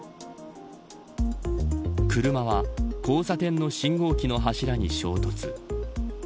車は交差点の信号機の柱に衝突。